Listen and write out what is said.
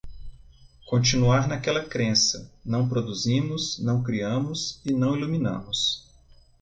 continuar naquela crença, não produzimos, não criamos e não iluminamos